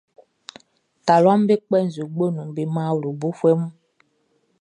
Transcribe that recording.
Taluaʼm be kpɛ nzue gboʼn nun be man awlobofuɛ mun.